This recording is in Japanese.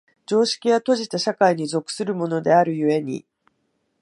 常識は閉じた社会に属するものである故に、